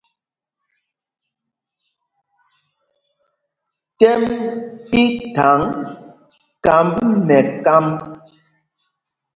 Tɛ́m í thaŋ kámb nɛ kámb.